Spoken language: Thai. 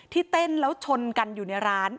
เต้นแล้วชนกันอยู่ในร้าน